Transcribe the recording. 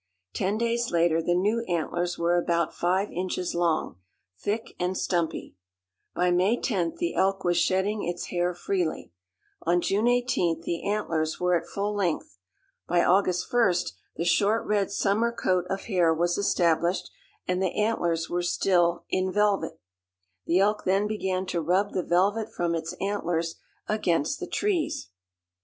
Ten days later the new antlers were about five inches long, thick and stumpy. By May 10th the elk was shedding its hair freely. On June 18th the antlers were at full length. By August 1st the short red summer coat of hair was established, and the antlers were still "in velvet," The elk then began to rub the velvet from its antlers against the trees.